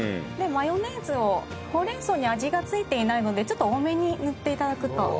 でマヨネーズをほうれん草に味がついていないのでちょっと多めに塗って頂くと。